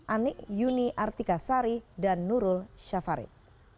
anik yuni artika sari dan nurul syafarid